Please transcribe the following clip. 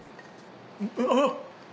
あっ⁉